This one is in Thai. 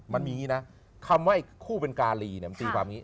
มันมีอย่างนี้นะคำว่าคู่เป็นกาลีมันตีมีความนี้